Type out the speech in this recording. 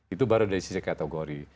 itu baru dari sisi kategori